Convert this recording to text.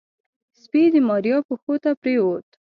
سپي د ماريا پښو ته پرېوت.